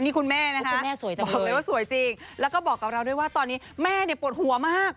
นี่คุณแม่นะคะบอกเลยว่าสวยจริงแล้วก็บอกกับเราด้วยว่าตอนนี้แม่เนี่ยปวดหัวมาก